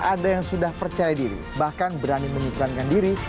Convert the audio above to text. ada yang sudah percaya diri bahkan berani menyikrankan diri